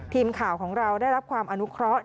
ทีมข่าวของเราได้รับความอนุเคราะห์